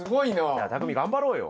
じゃあたくみ頑張ろうよ。